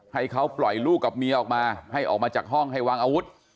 ให้เขาปล่อยลูกกับเมียออกมาให้ออกมาจากห้องให้วางอาวุธ